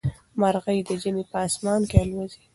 مرغۍ د ژمي په اسمان کې الوزي.